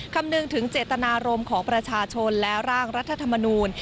คำนึงถึงเจตนารมณ์ของประชาชนและร่างรัฐธรรมนูล